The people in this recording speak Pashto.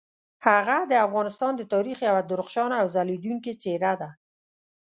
هغه د افغانستان د تاریخ یوه درخشانه او ځلیدونکي څیره ده.